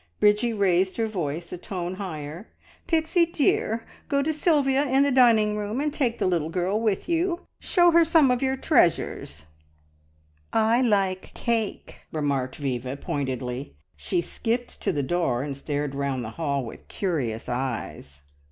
Bridgie raised her voice a tone higher. "Pixie dear, go to Sylvia in the dining room and take the little girl with you. Show her some of your treasures!" "I like cake!" remarked Viva pointedly. She skipped to the door, and stared round the hall with curious eyes.